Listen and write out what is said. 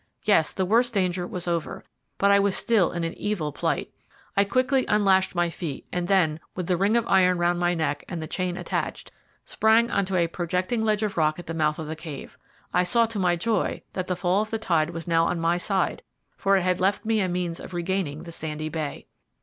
Yes, the worst danger was over, but I was still in an evil plight. I quickly unlashed my feet, and then, with the ring of iron round my neck and the chain attached, sprang on to a projecting ledge of rock at the mouth of the cave. I saw to my joy that the fall of the tide was now on my side, for it had left me a means of regaining the sandy bay.